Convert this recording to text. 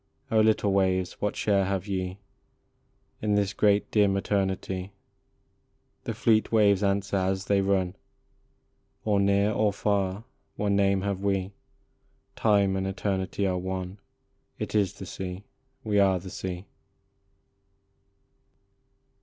O little waves, what share have ye In this great dim eternity? The fleet waves answer as they run :" Or near, or far, one name have we, Time and eternity are one ; It is the sea we are the sea."